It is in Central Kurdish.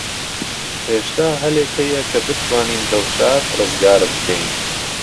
هێشتا هەلێک هەیە کە بتوانین دڵشاد ڕزگار بکەین.